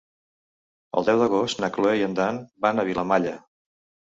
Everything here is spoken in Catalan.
El deu d'agost na Cloè i en Dan van a Vilamalla.